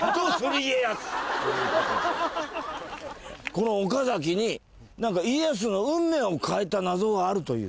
この岡崎に家康の運命を変えた謎があるという。